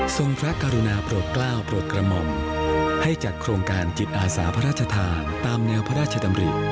พระกรุณาโปรดกล้าวโปรดกระหม่อมให้จัดโครงการจิตอาสาพระราชทานตามแนวพระราชดำริ